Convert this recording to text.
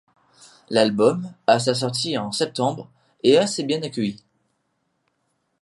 L’album, à sa sortie en septembre, est assez bien accueilli.